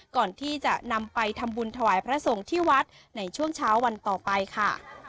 ก่อนที่จะนำไปทำบุญถวายพระสงฆ์ที่วัดในช่วงเช้าวันต่อไปค่ะ